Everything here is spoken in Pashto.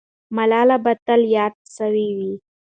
ملاله به تل یاده سوې وي.